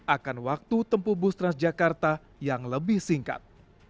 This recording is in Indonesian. akan waktu tempuh bus transjakarta yang lebih singkat